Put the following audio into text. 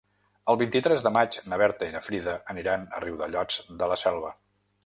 El vint-i-tres de maig na Berta i na Frida aniran a Riudellots de la Selva.